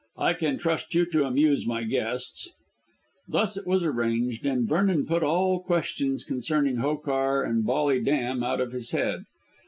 I can trust you to amuse my guests." Thus it was arranged, and Vernon put all questions concerning Hokar and Bolly Dam out of his head.